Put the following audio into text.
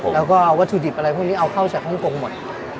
แล้วก็วัตถุดิบอะไรพวกนี้เอาเข้าจากฮ่องกงหมด